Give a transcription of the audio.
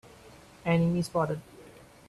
Enemy spotted!